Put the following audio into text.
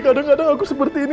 kadang kadang aku seperti ini